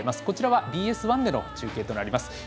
こちらはＢＳ１での中継となります。